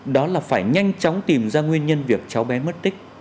đó là phải nhanh chóng tìm ra nguyên nhân việc cháu bé mất tích